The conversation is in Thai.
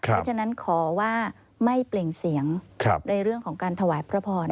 เพราะฉะนั้นขอว่าไม่เปล่งเสียงในเรื่องของการถวายพระพร